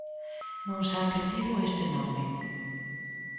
Non sempre tivo este nome.